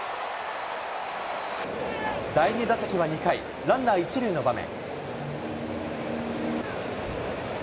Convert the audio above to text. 第２打席は２回、ランナー１塁の場面。